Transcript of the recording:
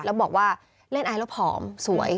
แล้วบอกว่าเล่นไอแล้วผอมสวย